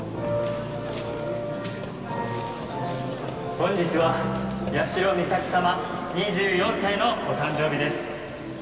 本日は八代みさき様２４歳のお誕生日です。